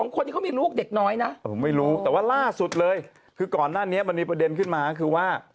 คนที่เขามีลูกเด็กน้อยนะผมไม่รู้แต่ว่าล่าสุดเลยคือก่อนหน้านี้มันมีประเด็นขึ้นมาคือว่า